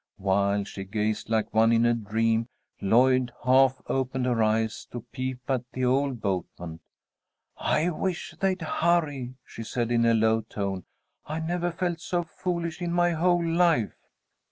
While she gazed like one in a dream, Lloyd half opened her eyes, to peep at the old boatman. "I wish they'd hurry," she said, in a low tone. "I never felt so foolish in my whole life."